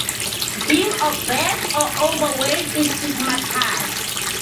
Being obese or overweight is stigmatized.